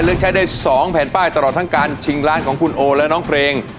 เลือกใช้ได้๒แผ่นป้ายตลอดทั้งการชิงล้านของคุณโอและน้องเพลง